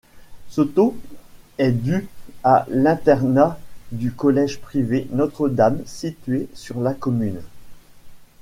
Ce taux est dû à l'internat du collège privé Notre-Dame situé sur la commune.